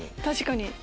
確かに。